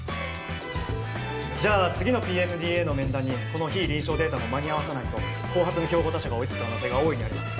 じゃあ次のＰＭＤＡの面談にこの非臨床データも間に合わさないと後発の競合他社が追いつく可能性が大いにあります